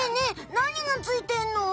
なにがついてんの？